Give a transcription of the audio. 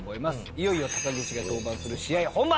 いよいよ高岸が登板する試合本番。